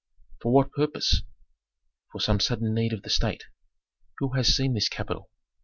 "For what purpose?" "For some sudden need of the state." "Who has seen this capital?"